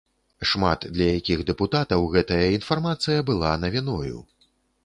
Шмат для якіх дэпутатаў гэтая інфармацыя была навіною.